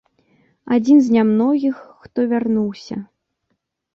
Адзін з нямногіх, хто вярнуўся.